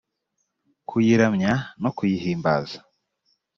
kuyiramya no kuyihimbaza